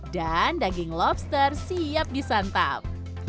dan daging lobster siap disantap